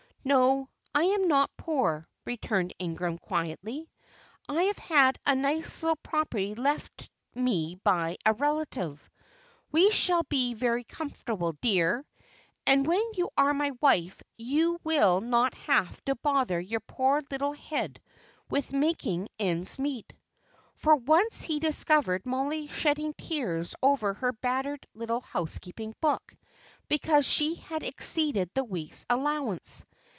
"No, I am not poor," returned Ingram, quietly. "I have had a nice little property left me by a relative. We shall be very comfortable, dear, and when you are my wife you will not have to bother your poor little head with making ends meet." For once he had discovered Mollie shedding tears over her battered little housekeeping book, because she had exceeded the week's allowance.